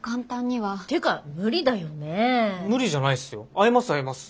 会えます会えます。